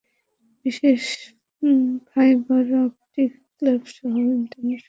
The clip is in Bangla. বিশেষ ফাইবার অপটিক কেব্লসহ ইন্টারনেট সংযোগ গ্রাহককেই নিজ খরচে সংগ্রহ করতে হবে।